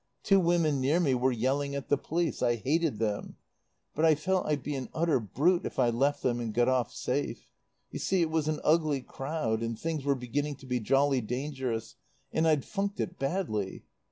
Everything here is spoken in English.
Two women near me were yelling at the police. I hated them. But I felt I'd be an utter brute if I left them and got off safe. You see, it was an ugly crowd, and things were beginning to be jolly dangerous, and I'd funked it badly.